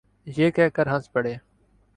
یہ کہہ کے ہنس پڑے۔